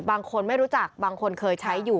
บางคนไม่รู้จักบางคนเคยใช้อยู่